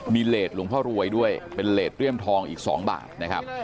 มีเลสหลวงพ่อรวยด้วยเป็นเลสเลี่ยมทองอีก๒บาทนะครับ